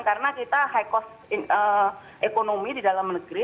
karena kita high cost ekonomi di dalam negeri